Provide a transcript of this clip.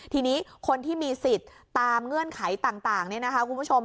ทีนี้คนที่มีสิทธิ์ตามเงื่อนไขต่างนี่นะคะคุณผู้ชม